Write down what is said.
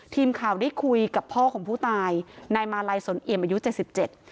ทีมข่าวได้คุยกับพ่อของผู้ตายนายมาลัยสนเอี่ยมอายุเจ็ดสิบเจ็ด